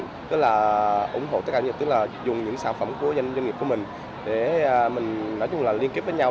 ủng hộ tất cả những doanh nghiệp tức là dùng những sản phẩm của doanh nghiệp của mình để mình nói chung là liên kết với nhau